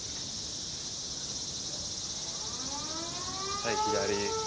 はい左。